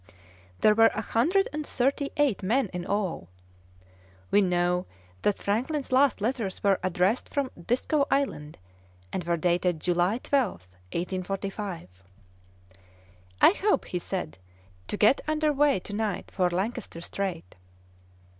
There were a hundred and thirty eight men in all! We know that Franklin's last letters were addressed from Disko Island, and were dated July 12th, 1845. 'I hope,' he said, 'to get under way to night for Lancaster Strait.'